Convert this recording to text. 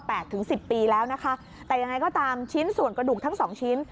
ถึงสิบปีแล้วนะคะแต่ยังไงก็ตามชิ้นส่วนกระดูกทั้งสองชิ้น